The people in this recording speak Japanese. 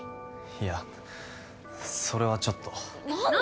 いやそれはちょっと何で？